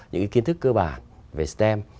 những cái kiến thức cơ bản về stem